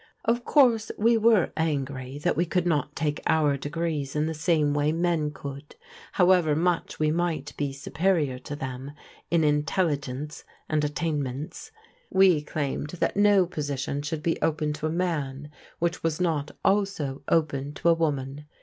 Of course, we were angry that we could not take our degrees in the same way men could, however much we might be superior to them in intelligence and attainments. " We claimed that no position should be open to a man which was not also open to a woman.